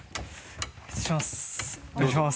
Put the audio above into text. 失礼します